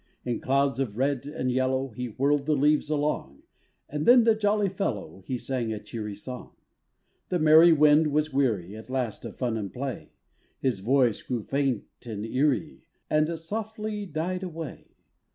In clouds of red and yellow, He whirled the leaves along, And then the jolly fellow He sang a cheery song. The merry wind was weary At last of fun and play; His voice grew faint and eerie, And softly died away.